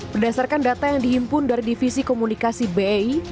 berdasarkan data yang dihimpun dari divisi komunikasi bei